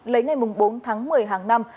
lấy ngày bốn tháng một mươi hàng năm